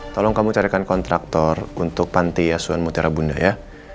makanya dihantar di kontraktor untuk panti asuhan mutiara bunda ya